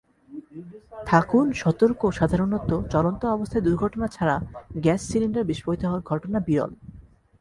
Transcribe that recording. থাকুন সতর্কসাধারণত চলন্ত অবস্থায় দুর্ঘটনা ছাড়া গ্যাস সিলিন্ডার বিস্ফোরিত হওয়ার ঘটনা বিরল।